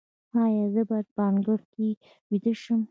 ایا زه باید په انګړ کې ویده شم؟